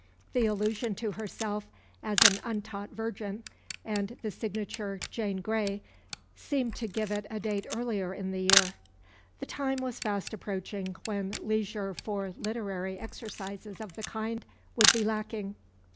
The allusion to herself as an "untaught virgin," and the signature "Jane Grey," seem to give it a date earlier in the year. The time was fast approaching when leisure for literary exercises of the kind would be lacking.